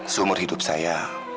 seumur hidup saya